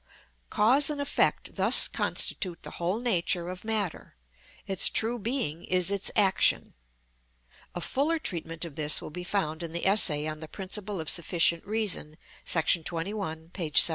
Cause and effect thus constitute the whole nature of matter; its true being is its action. (A fuller treatment of this will be found in the essay on the Principle of Sufficient Reason, § 21, p. 77.)